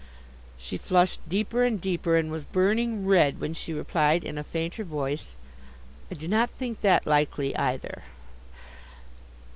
She flushed deeper and deeper, and was burning red when she replied in a fainter voice, 'I do not think that likely, either.